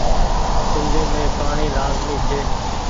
سندي مين پآڻيٚ لآزمي ڇي۔